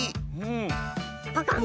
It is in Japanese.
パカン！